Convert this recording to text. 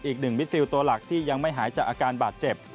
อีกหนึ่งมิดฟิลตัวหลักที่ยังไม่หายจากอาการบาดเจ็บ